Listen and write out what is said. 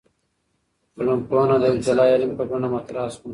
ټولنپوهنه د يو جلا علم په بڼه مطرح سوه.